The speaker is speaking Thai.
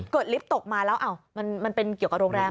ลิฟต์ตกมาแล้วมันเป็นเกี่ยวกับโรงแรม